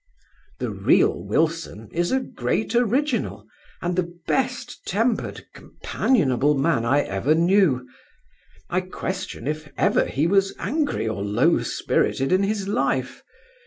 The real Wilson is a great original, and the best tempered, companionable man I ever knew I question if ever he was angry or low spirited in his life.